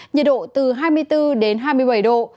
nhiệt độ từ hai mươi bốn đến hai mươi bảy độ